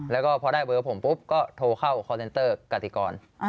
แล้วก็พอได้เบอร์ผมปุ๊บก็โทรเข้าคอนเซนเตอร์กติกร